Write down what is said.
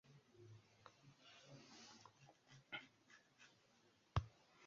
Por eviti ĉi-lastan oni konstruis et-ŝpurajn port-vagonojn, kiuj povas porti norm-ŝpuran var-vagonon.